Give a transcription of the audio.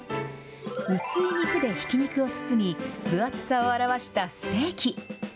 薄い肉でひき肉を包み、分厚さを表したステーキ。